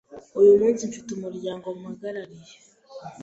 Uyu munsi mfite umuryango mpagarariye,